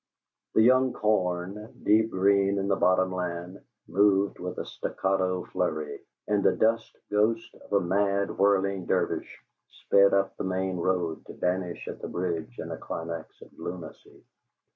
The young corn, deep green in the bottomland, moved with a staccato flurry, and the dust ghost of a mad whirling dervish sped up the main road to vanish at the bridge in a climax of lunacy.